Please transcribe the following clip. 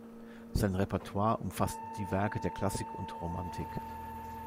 Sein Repertoire umfasste die Werke der Klassik und Romantik.